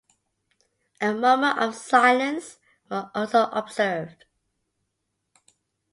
A moment of silence was also observed.